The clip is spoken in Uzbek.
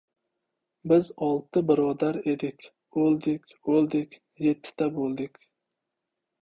• Biz olti birodar edik, o‘ldik, o‘ldik, yettita bo‘ldik.